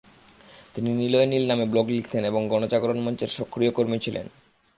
তিনি নিলয় নীল নামে ব্লগে লিখতেন এবং গণজাগরণ মঞ্চের সক্রিয় কর্মী ছিলেন।